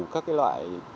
các cái loại